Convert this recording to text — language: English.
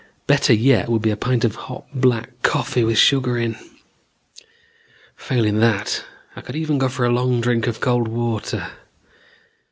Better yet would be a pint of hot black coffee with sugar in. Failing that, I could even go for a long drink of cold water.